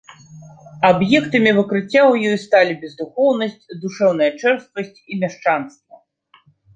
Аб'ектамі выкрыцця ў ёй сталі бездухоўнасць, душэўная чэрствасць і мяшчанства.